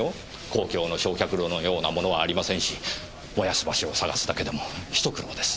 公共の焼却炉のようなものはありませんし燃やす場所を探すだけでも一苦労です。